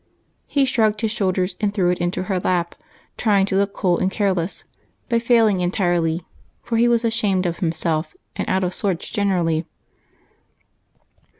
He shrugged his shoulders, and threw it into her lap, trying to look cool and careless, but failing entirely, for he was ashamed of himself, and out of sorts generally.